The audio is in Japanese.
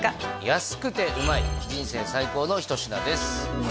安くてうまい人生最高の一品です